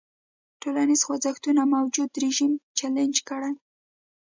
ټولنیز خوځښتونه موجوده رژیم چلنج کړي.